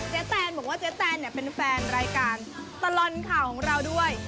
แตนบอกว่าเจ๊แตนเนี่ยเป็นแฟนรายการตลอดข่าวของเราด้วย